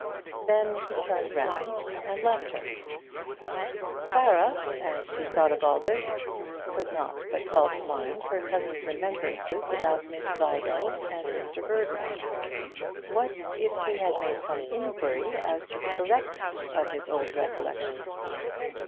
Then he turned round and left her. Clara, as she thought of all this, could not but call to mind her cousin's remembrances about Miss Vigo and Mr. Berdmore. What if he made some inquiry as to the correctness of his old recollections?